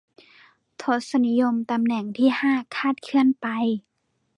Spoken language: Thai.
ทศนิยมตำแหน่งที่ห้าคลาดเคลื่อนไป